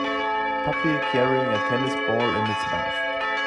Puppy carrying a tennis ball in its mouth.